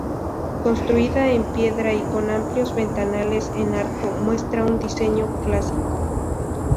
Construida en piedra y con amplios ventanales en arco muestra un diseño clásico.